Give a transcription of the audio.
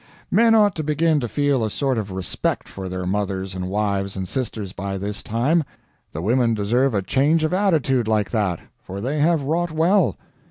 Men ought to begin to feel a sort of respect for their mothers and wives and sisters by this time. The women deserve a change of attitude like that, for they have wrought well.